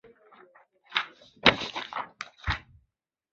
本方归于足少阴肾经药。